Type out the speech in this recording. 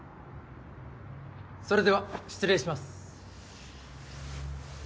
それでは失礼します。